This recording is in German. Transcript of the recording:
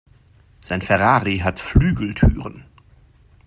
Sein Ferrari hat Flügeltüren.